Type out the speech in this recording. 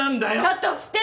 だとしても。